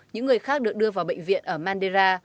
những người khác được đưa vào bệnh viện ở mandera